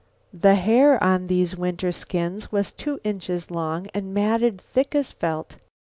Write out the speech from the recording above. The hair on these winter skins was two inches long and matted thick as felt.